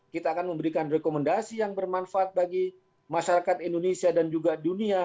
kita akan memberikan rekomendasi yang bermanfaat bagi masyarakat indonesia dan juga dunia